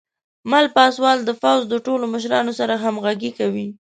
مل پاسوال د پوځ د ټولو مشرانو سره همغږي کوي.